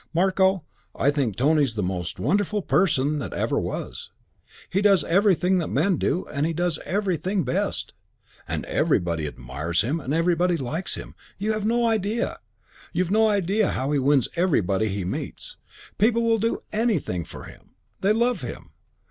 "Marko, I think Tony's the most wonderful person that ever was. He does everything that men do and he does everything best. And everybody admires him and everybody likes him. You've no idea. You've no idea how he wins everybody he meets. People will do anything for him. They love him.